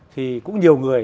thì cũng nhiều người